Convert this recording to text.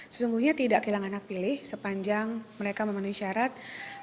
sesungguhnya tidak kehilangan hak pilih sepanjang mereka memenuhi syarat